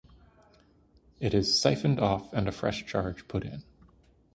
It is siphoned off and a fresh charge put in.